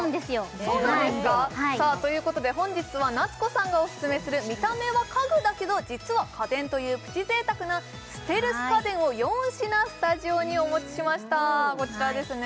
そうなんですか！？ということで本日は奈津子さんがオススメする見た目は家具だけど実は家電というプチ贅沢なステルス家電を４品スタジオにお持ちしましたこちらですね